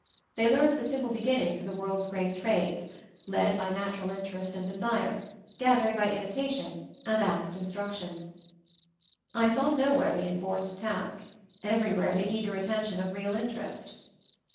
They learned the simple beginnings of the world's great trades, led by natural interest and desire, gathering by imitation and asked instruction. I saw nowhere the enforced task; every where the eager attention of real interest.